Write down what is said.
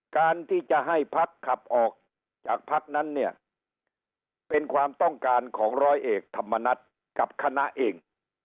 การที่จะให้พักขับออกจากพักนั้นเนี่ยเป็นความต้องการของร้อยเอกธรรมนัฏกับคณะเอง